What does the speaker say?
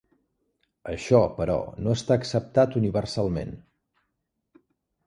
Això, però, no està acceptat universalment.